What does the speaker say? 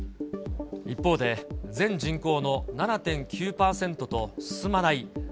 一方で、全人口の７．９％と、進まない